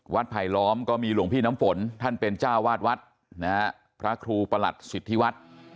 ไผลล้อมก็มีหลวงพี่น้ำฝนท่านเป็นเจ้าวาดวัดนะฮะพระครูประหลัดสิทธิวัฒน์